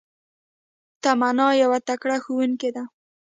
تمنا يو تکړه ښوونکي ده